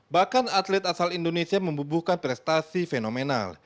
bahkan atlet asal indonesia membubuhkan prestasi fenomenal